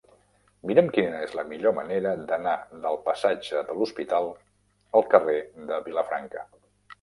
Mira'm quina és la millor manera d'anar del passatge de l'Hospital al carrer de Vilafranca.